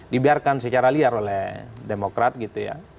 dibiarkan secara liar oleh demokrat gitu ya